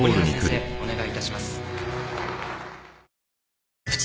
お願いいたします。